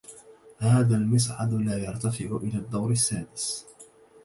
هذا المصعد لا يرتفع إلى الدور السادس.